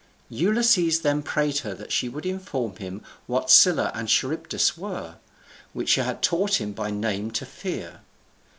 Ulysses then prayed her that she would inform him what Scylla and Charybdis were, which she had taught him by name to fear.